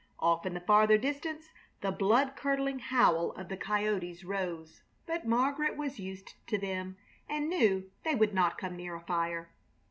Off in the farther distance the blood curdling howl of the coyotes rose, but Margaret was used to them, and knew they would not come near a fire.